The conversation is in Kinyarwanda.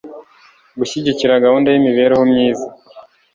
Gushyigikira gahunda y imibereho myiza